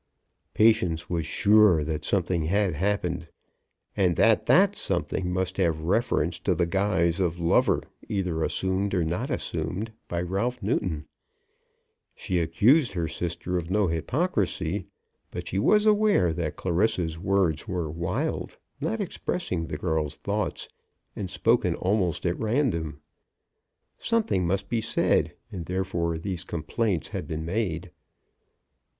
Patience was sure that something had happened, and that that something must have reference to the guise of lover either assumed or not assumed by Ralph Newton. She accused her sister of no hypocrisy, but she was aware that Clarissa's words were wild, not expressing the girl's thoughts, and spoken almost at random. Something must be said, and therefore these complaints had been made.